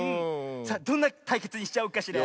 さあどんなたいけつにしちゃおうかしら。